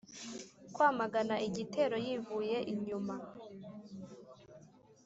kwamagana igitero yivuye inyuma,